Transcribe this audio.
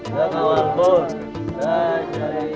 ya saya tak peduli